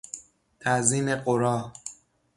تعظیم غرا